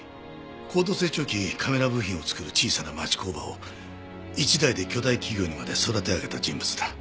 高度成長期カメラ部品を作る小さな町工場を一代で巨大企業にまで育て上げた人物だ。